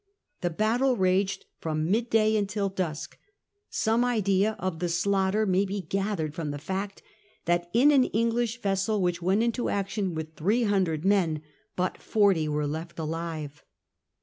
The battle raged from midday until dusk. Some idea of the slaughter may be gathered from the fact that in an English vessel which went into action with 300 men but forty were left alive.